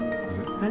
あれ？